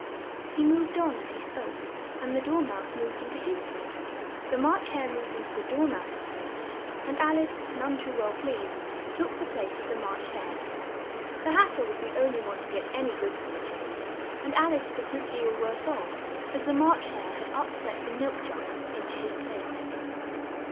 He moved on as he spoke, and the Dor mouse moved in to his place; the March Hare moved in to the Dor mouse's place and Al ice, none too well pleased, took the place of the March Hare. The Hat ter was the on ly one to get an y good from the change; and Al ice was a good deal worse off, as the March Hare had up set the milk jug in to his plate.